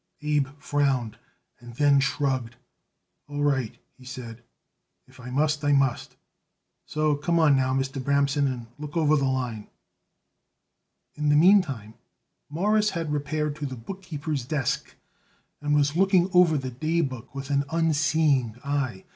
Abe frowned and then shrugged. "All right," he said; "if I must I must. So come on now, Mr. Bramson, and look over the line." In the meantime Morris had repaired to the bookkeeper's desk and was looking over the daybook with an unseeing eye.